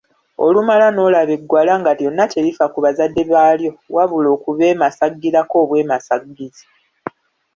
Olumala n'olaba eggwala nga lyonna terifa ku bazadde baalyo wabula okubeemasaggirako obwemasaggizi!